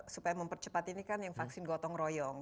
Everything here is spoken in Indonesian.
supaya mempercepat ini kan yang vaksin gotong royong